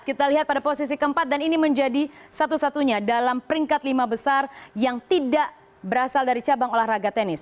kita lihat pada posisi keempat dan ini menjadi satu satunya dalam peringkat lima besar yang tidak berasal dari cabang olahraga tenis